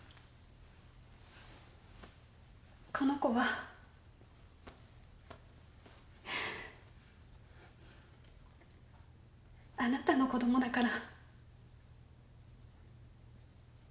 この子は。あなたの子どもだから。